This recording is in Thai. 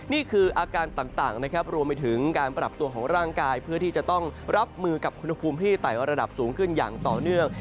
นี่คืออาการต่างนะครับรวมไปถึงการปรับตัวของร่างกายเพื่อที่จะต้องรับมือกับอุณหภูมิที่ไต่ระดับสูงขึ้นอย่างต่อเนื่อง